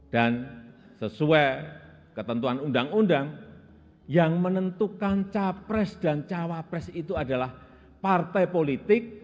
dan sesuai ketentuan undang undang yang menentukan cawa pres dan cawa pres itu adalah partai politik